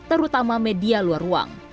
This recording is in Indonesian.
terutama media luar ruang